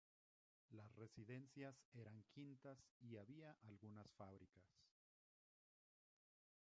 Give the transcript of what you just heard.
Las residencias eran quintas y había algunas fábricas.